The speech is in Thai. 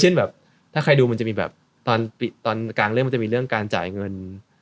แบบถ้าใครดูมันจะมีแบบตอนกลางเรื่องมันจะมีเรื่องการจ่ายเงิน